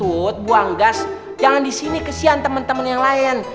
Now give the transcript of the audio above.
buat buang gas jangan di sini kesian temen temen yang lain